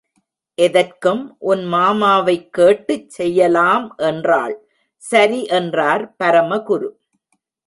எதற்கும் உன் மாமாவை கேட்டு செய்யலாம் என்றாள், சரி, என்றார் பரமகுரு.